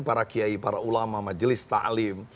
para kiai para ulama majelis ta'lim